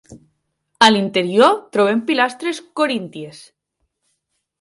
A l'interior trobem pilastres corínties.